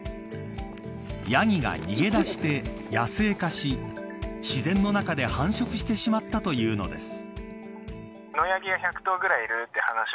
ヤギが逃げ出して野生化し自然の中で繁殖してしまったというのです。